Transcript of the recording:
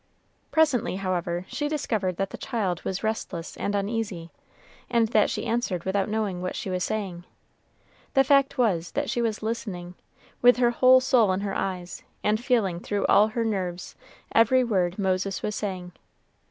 Presently, however, she discovered that the child was restless and uneasy, and that she answered without knowing what she was saying. The fact was that she was listening, with her whole soul in her eyes, and feeling through all her nerves, every word Moses was saying.